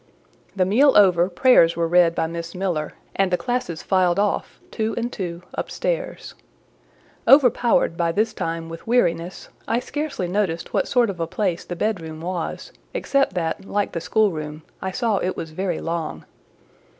The meal over, prayers were read by Miss Miller, and the classes filed off, two and two, upstairs. Overpowered by this time with weariness, I scarcely noticed what sort of a place the bedroom was, except that, like the schoolroom, I saw it was very long.